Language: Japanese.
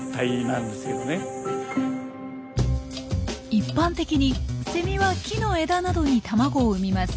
一般的にセミは木の枝などに卵を産みます。